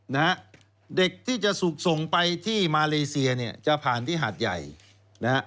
นะฮะเด็กที่จะถูกส่งไปที่มาเลเซียเนี่ยจะผ่านที่หาดใหญ่นะฮะ